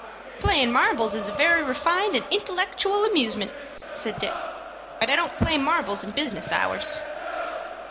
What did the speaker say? "Playin' marbles is a very refined and intellectual amusement," said Dick; "but I don't play marbles in business hours."